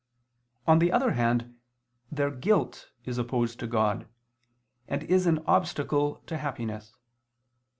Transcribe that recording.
On the other hand their guilt is opposed to God, and is an obstacle to happiness.